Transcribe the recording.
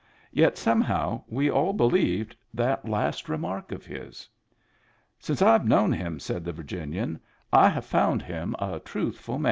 Yet somehow, we all believed that last remark of his. "Since I've known him," said the Virginian, I have found him a truthful man."